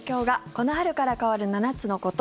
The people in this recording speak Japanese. この春から変わる７つのこと。